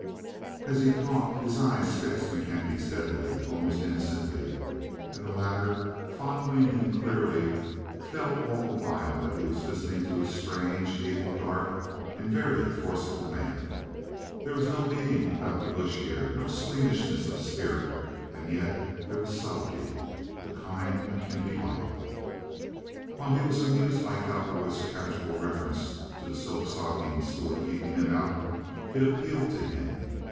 As he talked his eye fixed McKenty steadily, almost innocently; and the latter, following him clearly, felt all the while that he was listening to a strange, able, dark, and very forceful man. There was no beating about the bush here, no squeamishness of spirit, and yet there was subtlety—the kind McKenty liked. While he was amused by Cowperwood's casual reference to the silk stockings who were keeping him out, it appealed to him.